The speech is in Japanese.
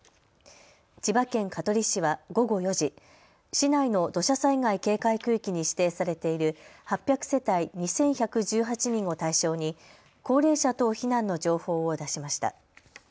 千葉県香取市は午後４時、市内の土砂災害警戒区域に指定されている８００世帯２１１８人を対象に高齢者等避難の情報を出しました。